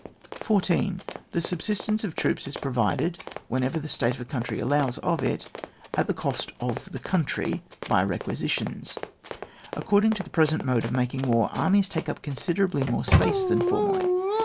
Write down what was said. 14. The subsistence for troops is pro vided, whenever the state of a country allows of it, at the cost of the country, by requisitions. According to the present mode of making war, armies take up considerably more space than formerly.